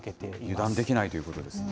油断できないということですね。